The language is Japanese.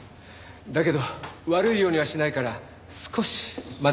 だけど悪いようにはしないから少し待っていてほしい。